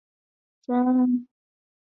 分为古传散手。